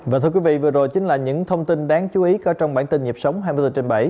và thưa quý vị vừa rồi chính là những thông tin đáng chú ý có trong bản tin nhịp sống hai mươi bốn trên bảy